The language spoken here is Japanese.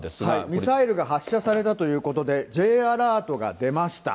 ミサイルが発射されたということで、Ｊアラートが出ました。